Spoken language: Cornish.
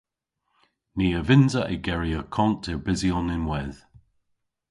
Ni a vynnsa ygeri akont erbysyon ynwedh.